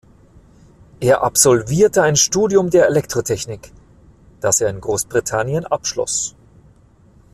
Er absolvierte ein Studium der Elektrotechnik, das er in Großbritannien abschloss.